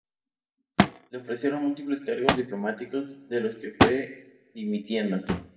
Le ofrecieron múltiples cargos diplomáticos de los que fue dimitiendo.